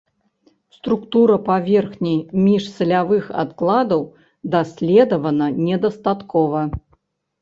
Структура паверхні міжсалявых адкладаў даследавана недастаткова.